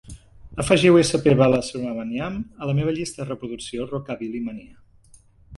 Afegiu "sp balasubrahmanyam" a la meva llista de reproducció "rockabilly mania".